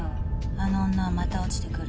あの女はまた堕ちてくる。